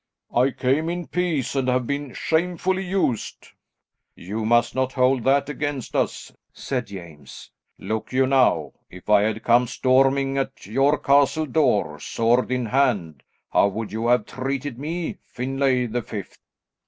"I came in peace and have been shamefully used." "You must not hold that against us," said James. "Look you now, if I had come storming at your castle door, sword in hand, how would you have treated me, Finlay the Fifth?"